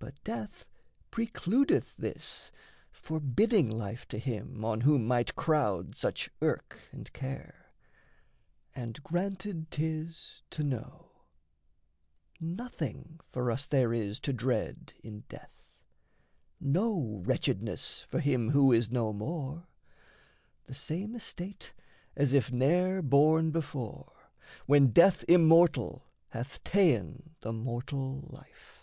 But death precludeth this, Forbidding life to him on whom might crowd Such irk and care; and granted 'tis to know: Nothing for us there is to dread in death, No wretchedness for him who is no more, The same estate as if ne'er born before, When death immortal hath ta'en the mortal life.